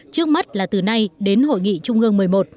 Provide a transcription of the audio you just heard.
trước mắt là từ nay đến hội nghị trung ương một mươi một